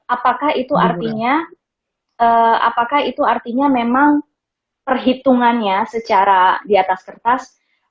apakah itu artinya apakah itu artinya memang perhitungannya secara di atas kertas